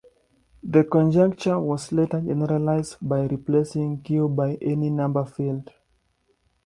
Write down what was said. The conjecture was later generalized by replacing Q by any number field.